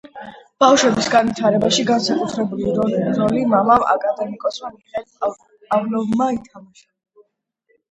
ბავშვების განვითარებაში განსაკუთრებული როლი მამამ, აკადემიკოსმა მიხეილ პავლოვმა ითამაშა.